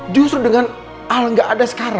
tetap dengan kata kata